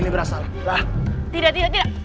tidak tidak tidak